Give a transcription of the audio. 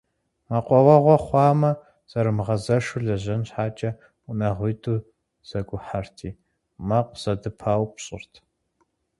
Мэкъуауэгъуэ хъуамэ, зэрымыгъэзэшу лэжьэн щхьэкӀэ унагъуитӀу зэгухьэрти, мэкъу зэдыпаупщӀырт.